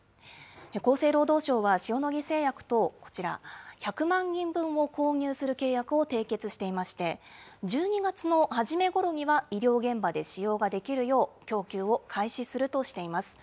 厚生労働省は、塩野義製薬とこちら、１００万人分を購入する契約を締結していまして、１２月の初めごろには、医療現場で使用ができるよう、供給を開始するとしています。